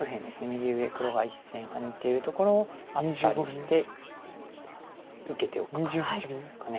右上黒が１線ハネているところをアテたりして受けておくか。